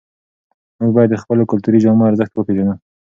موږ باید د خپلو کلتوري جامو ارزښت وپېژنو.